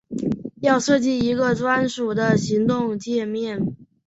要设计一个专属的行动介面